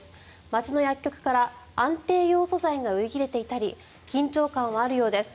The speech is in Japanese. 街の薬局から安定ヨウ素剤が売り切れていたり緊張感はあるようです。